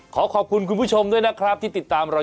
ขอขอบคุณคุณผู้ชมด้วยนะครับที่ติดตามเรา